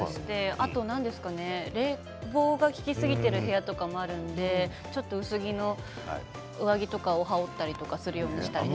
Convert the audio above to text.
あと冷房が効きすぎている部屋とかもあるのでちょっと薄着の上着とかを羽織ったりするようにしています。